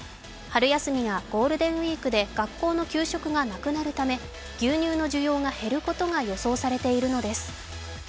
春休みやゴールデンウイークで学校の給食がなくなるため牛乳の需要が減ることが予想されているのです。